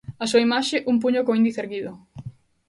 A súa imaxe, un puño co índice erguido.